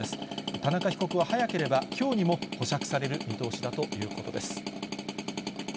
田中被告は、早ければきょうにも保釈される見通しだということです。